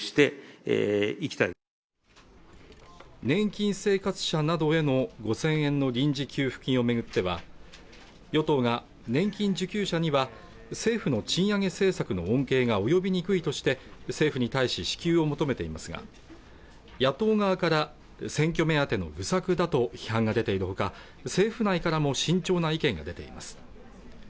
年金生活者などへの５０００円の臨時給付金をめぐっては与党が年金受給者には政府の賃上げ政策の恩恵が及びにくいとして政府に対し支給を求めていますが野党側から選挙目当ての愚策だと批判が出ているほか政府内からも慎重な意見が出ています